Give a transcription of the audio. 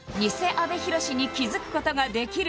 阿部寛に気づくことができる？